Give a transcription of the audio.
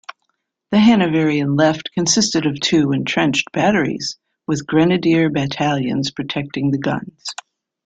The Hanoverian left consisted of two entrenched batteries, with grenadier battalions protecting the guns.